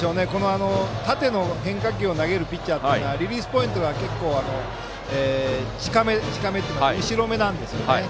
縦の変化球を投げるピッチャーというのはリリースポイントが結構後ろめなんですよね。